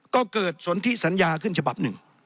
ก็เกิดสนทิสัญญาขึ้นฉบับหนึ่ง